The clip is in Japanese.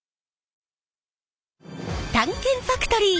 「探検ファクトリー」！